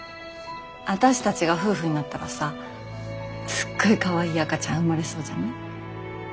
私たちが夫婦になったらさすっごいかわいい赤ちゃん生まれそうじゃない？